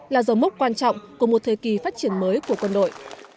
là dấu mốc quan trọng của một thời kỳ phát triển mới của quân đội